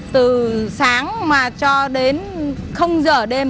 từ sáng mà cho đến không giờ đêm